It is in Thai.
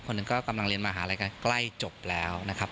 คนหนึ่งก็กำลังเรียนมหาลัยกันใกล้จบแล้วนะครับ